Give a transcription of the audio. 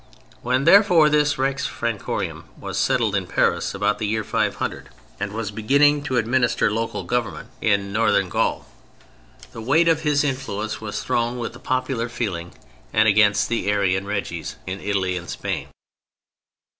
When, therefore, this Rex Francorum was settled in Paris—about the year 500—and was beginning to administer local government in Northern Gaul, the weight of his influence was thrown with the popular feeling and against the Arian Reges in Italy and Spain.